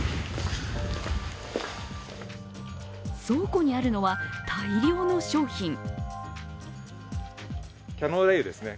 倉庫にあるのは、大量の商品。